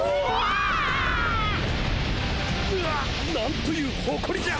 ぬおっなんというほこりじゃ！